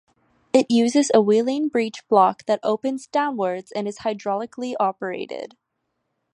It uses a Welin breech block that opens downwards and is hydraulically operated.